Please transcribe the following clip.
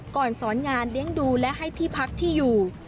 ก่อนสอนงานเลี้ยงดูและให้ที่พักที่อยู่